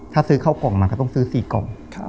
ถ้าซื้อเข้ากล่องมันก็ต้องซื้อ๔กล่อง